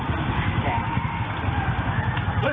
ดูเลย